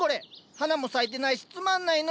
花も咲いてないしつまんないの。